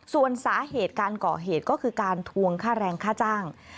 ส่วนสาเหตุการก่อเหตุก็คือการทวงค่าแรงค่าจ้าง